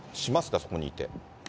そこにいて。